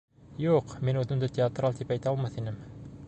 Юҡ, мин үҙемде театрал тип әйтә алмаҫ инем